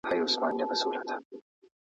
خو لستوڼي مو تل ډک وي له مارانو !.